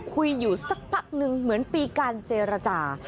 คุยอยู่สักพักนึงเหมือนปีการเจรจา